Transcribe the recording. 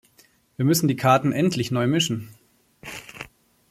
Wir müssen die Karten endlich neu mischen.